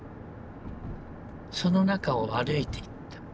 その中を歩いていった。